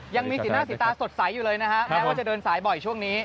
ยังมีสีหน้าสีตาสดใสอยู่เลยนะฮะแม้ว่าจะเดินสายบ่อยช่วงนี้